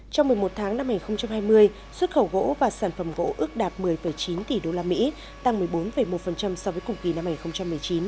trong một mươi một tháng năm hai nghìn hai mươi xuất khẩu gỗ và sản phẩm gỗ ước đạt một mươi chín tỷ usd tăng một mươi bốn một so với cùng kỳ năm hai nghìn một mươi chín